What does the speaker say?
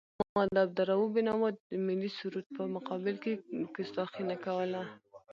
ما د عبدالرؤف بېنوا د ملي سرود په مقابل کې کستاخي نه کوله.